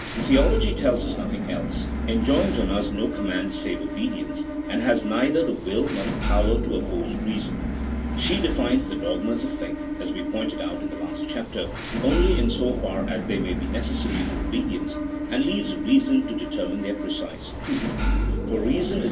Theology tells us nothing else, enjoins on us no command save obedience, and has neither the will nor the power to oppose reason : she defines the dogmas of faith (as we pointed out in the last chapter) only in so far as they may be necessary for obedience, and leaves reason to determine their precise truth : for reason is the CHAP.